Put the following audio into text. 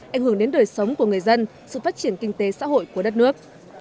ảnh hưởng đến đời sống của người dân sự phát triển kinh tế xã hội của đất nước